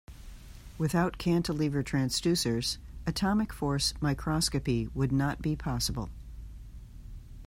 Without cantilever transducers, atomic force microscopy would not be possible.